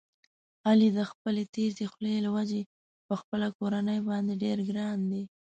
علي د خپلې تېزې خولې له وجې په خپله کورنۍ باندې ډېر ګران دی.